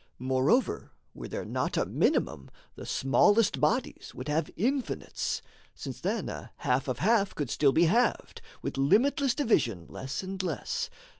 Moreover, were there not a minimum, The smallest bodies would have infinites, Since then a half of half could still be halved, With limitless division less and less.